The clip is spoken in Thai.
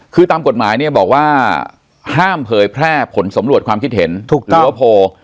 คือตามกฎหมายเนี่ยบอกว่าห้ามเผยแพร่ผลสำรวจความคิดเห็นหรือว่าโพล